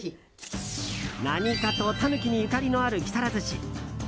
何かとタヌキにゆかりのある木更津市。